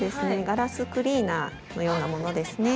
ガラスクリーナーのようなものですね。